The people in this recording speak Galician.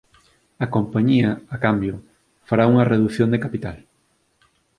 A compañía, a cambio, fará unha reducción de capital